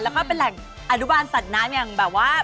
แล้วก็เป็นแหล่งอนุบาลสัตว์น้ำอย่างแบบว่า